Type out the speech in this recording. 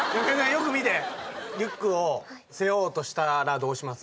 よく見てリュックを背負おうとしたらどうします？